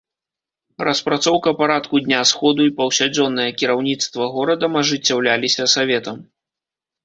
Распрацоўка парадку дня сходу і паўсядзённае кіраўніцтва горадам ажыццяўляліся саветам.